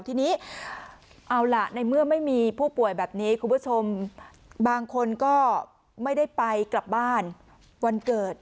ทีนี้เอาล่ะในเมื่อไม่มีผู้ป่วยแบบนี้คุณผู้ชมบางคนก็ไม่ได้ไปกลับบ้านวันเกิด